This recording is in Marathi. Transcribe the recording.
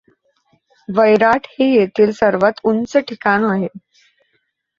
वैराट हे येथील सर्वात उंच ठिकाण आहे.